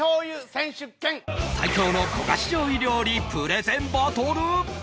最強の焦がし醤油料理プレゼンバトル